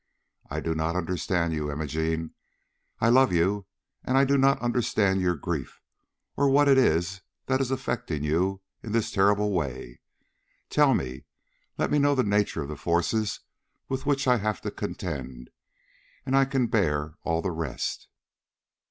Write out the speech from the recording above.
I do not understand you, Imogene. I love you and I do not understand your grief, or what it is that is affecting you in this terrible way. Tell me. Let me know the nature of the forces with which I have to contend, and I can bear all the rest."